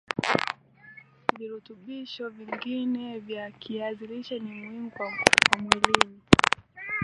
virutubisho vingine vya kiazi lishe ni muhimu kwa mwilini